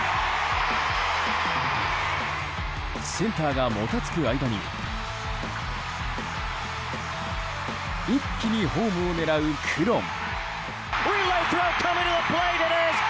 センターがもたつく間に一気にホームを狙うクロン。